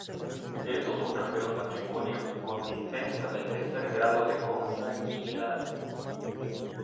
Estos contrajeron matrimonio con dispensa del tercer grado de consanguinidad.